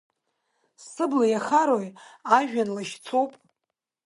Сыбла иахарои, ажәҩан лашьцоуп?